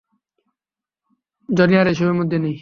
Johnny আর এসবের মধ্যে নেই।